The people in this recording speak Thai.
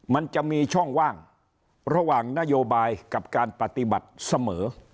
มันจะมีช่องว่างระหว่างนโยบายกับการปฏิบัติเสมอ